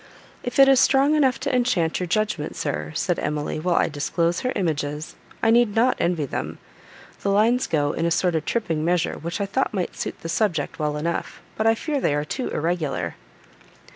"If it is strong enough to enchant your judgment, sir," said Emily, "while I disclose her images, I need not envy them. The lines go in a sort of tripping measure, which I thought might suit the subject well enough, but I fear they are too irregular."